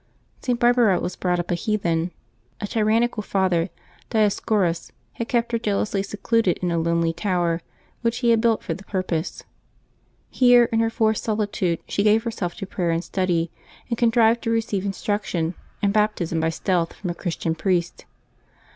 [t. Barbara was brought up a heathen. A tyrannical father, Dioscorus, had kept her jealously secluded in a lonely tower which he had built for the purpose. Here in her forced solitude, she gave herself to prayer and study, and contrived to receive instruction and Baptism by stealth from a Christian priest.